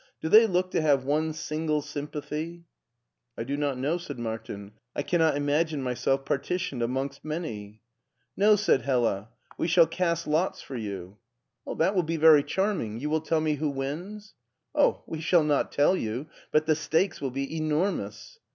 Do they look to have one single s)rm pathy?" " I do not know," said Martin ;" I cannot imagine myself partitioned amongst many." '* No," said Hella, " we shall cast lots for you." it it it LEIPSIC W5 That win be very charming ; you will tdl me who wmsr '' Oh, we shall not tell you ! But the stakes will be enormous."